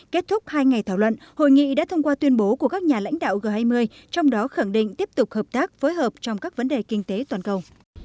kết thúc hai ngày thảo luận hội nghị đã thông qua tuyên bố của các nhà lãnh đạo g hai mươi trong đó khẳng định tiếp tục hợp tác phối hợp trong các vấn đề kinh tế toàn cầu